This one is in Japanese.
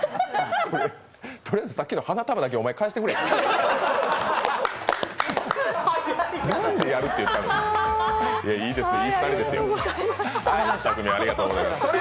とりあえず、さっきの花束だけ、おまえ、返してくれ。